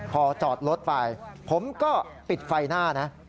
พอจอดรถไปผมก็ปิดไฟหน้านะ